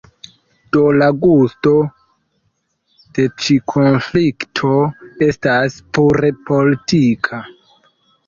Do, la gusto de ĉi konflikto estas pure politika.